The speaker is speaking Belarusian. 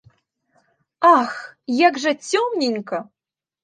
Ах, як жа цёмненька!